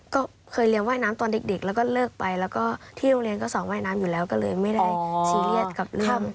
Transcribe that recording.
ก็เคยเรียนว่ายน้ำตอนเด็กแล้วก็เลิกไปแล้วก็ที่โรงเรียนก็ส่องว่ายน้ำอยู่แล้วก็เลยไม่ได้ซีเรียสกับเรื่อง